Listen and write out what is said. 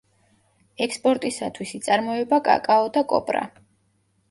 ექსპორტისათვის იწარმოება კაკაო და კოპრა.